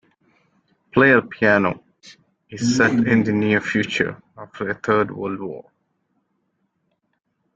"Player Piano" is set in the near future after a third world war.